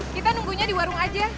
kita nunggunya di warung aja